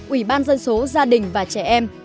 ủy ban dân số gia đình và trẻ em